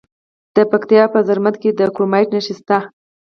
د پکتیا په زرمت کې د کرومایټ نښې شته.